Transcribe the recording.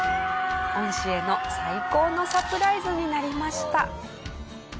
恩師への最高のサプライズになりました。